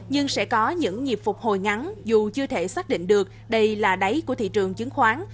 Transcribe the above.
nhưng sẽ có những nhịp phục hồi ngắn dù chưa thể xác định được đây là đáy của thị trường chứng khoán